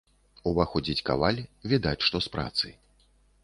Уваходзіць каваль, відаць, што з працы.